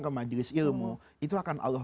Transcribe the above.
ke majelis ilmu itu akan allah